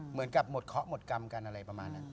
เหมือนกับหมดเคาะหมดกรรมกันอะไรประมาณนั้น